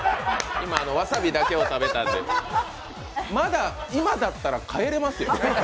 今、わさびだけを食べんでまだ、今だったら帰れますよ。